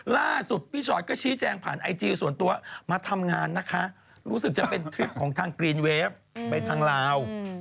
ล่าสุดพี่ชอตก็ชี้แจงผ่านไอจีส่วนตัวมาทำงานนะคะรู้สึกจะเป็นทริปของทางกรีนเวฟไปทางลาว